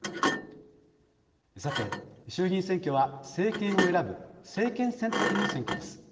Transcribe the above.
さて衆議院選挙は政権を選ぶ政権選択の選挙です。